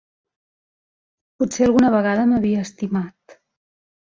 Potser alguna vegada m'havia estimat.